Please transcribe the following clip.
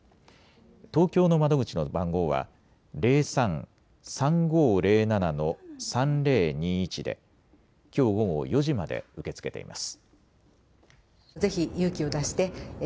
東京の窓口の番号は０３−３５０７−３０２１できょう午後４時まで受け付けています。